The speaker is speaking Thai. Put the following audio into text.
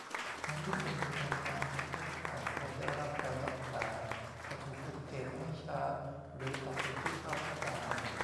การที่คนมีอาการที่เข้าข่ายควรได้รับการรักษา แต่ถูกปฏิเสธ ทำให้ช้า หรือตัดสิทธิค่ารักษา